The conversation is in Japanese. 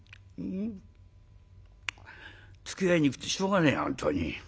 「つきあいにくくてしょうがねえや本当に。